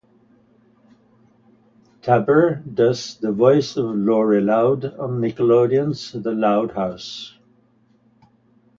Taber does the voice of Lori Loud on Nickelodeon's "The Loud House".